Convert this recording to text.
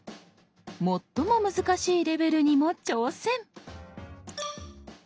最も難しいレベルにも挑戦。